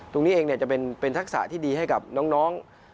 ตรงนี้เองจะเป็นทักษะที่ดีให้กับน้อง